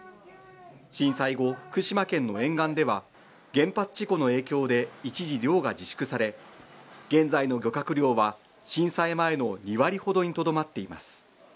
震災後、福島県の沿岸では原発事故の影響で一時、漁が自粛され現在の漁獲量は震災前の２割ほどにとどまっています。